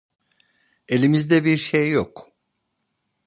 Elimizde bir şey yok.